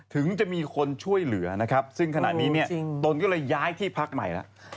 ถึงจะมีคนช่วยเหลือนะครับซึ่งขณะนี้เนี่ยตนก็เลยย้ายที่พักใหม่แล้ว